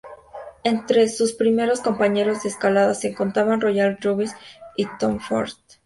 Entre sus primeros compañeros de escalada se contaban Royal Robbins y Tom Frost.